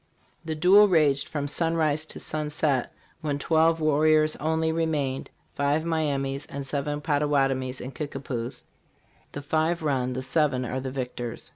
"This duel raged from sunrise to sunset, when twelve warriors only re mainedfive Miamis and seven Pottawatomies and Kickapoos. The five run, the seven are the victors.